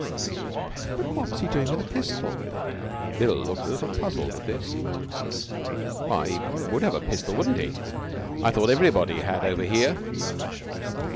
'But what was he doing with a pistol?' Bill looked a little puzzled at this. 'Why, he would have a pistol, wouldn't he? I thought everybody had over here.'